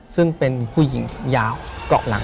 ถูกต้องไหมครับถูกต้องไหมครับ